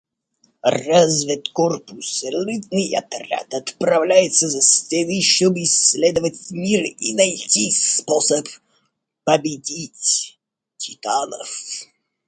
Разведкорпус, элитный отряд, отправляется за стены, чтобы исследовать мир и найти способ победить титанов.